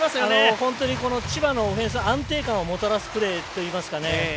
本当に千葉のオフェンス安定感をもたらすプレーといいますか。